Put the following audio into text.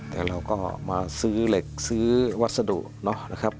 แต่เราก็มาซื้อเหล็กซื้อวัสดุเนาะนะครับ